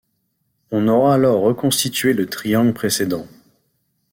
On aura alors reconstitué le triangle précédent.